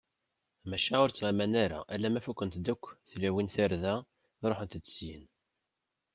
Maca ur ttɣiman ara, alamma fukkent-d akk tlawin tarda, ṛuḥent-d syin.